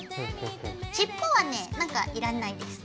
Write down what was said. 尻尾はねなんかいらないです。